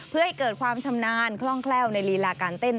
เพื่อให้เกิดความชำนาญคล่องแคล่วในลีลาการเต้น